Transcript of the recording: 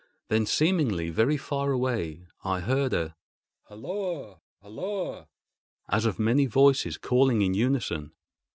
Then, seemingly very far away, I heard a "Holloa! holloa!" as of many voices calling in unison.